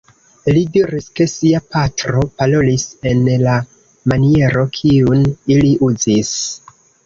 Li diris ke sia patro parolis en la maniero kiun ili uzis.